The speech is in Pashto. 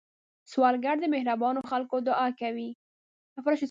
سوالګر د مهربانو خلکو دعا کوي